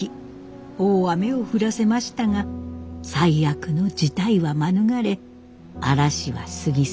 大雨を降らせましたが最悪の事態は免れ嵐は過ぎ去ろうとしていました。